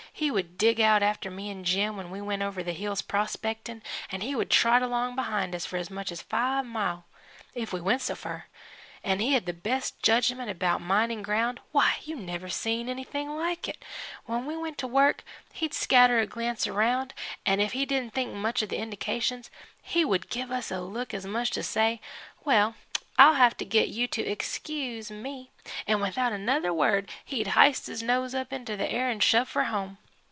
He would dig out after me an' Jim when we went over the hills prospect'n', and he would trot along behind us for as much as five mile, if we went so fur. An' he had the best judgment about mining ground why you never see anything like it. When we went to work, he'd scatter a glance around, 'n' if he didn't think much of the indications, he would give a look as much as to say, 'Well, I'll have to get you to excuse me,' 'n' without another word he'd hyste his nose into the air 'n' shove for home.